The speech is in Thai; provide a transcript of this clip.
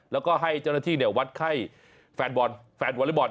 แล้วก็ให้เจ้าหน้าที่วัดไข้แฟนวนละบอล